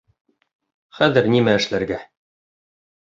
Хәҙер нимә эшләргә?